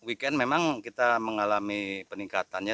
weekend memang kita mengalami peningkatannya